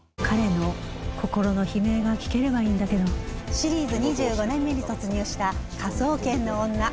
シリーズ２５年目に突入した『科捜研の女』。